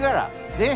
ねっ。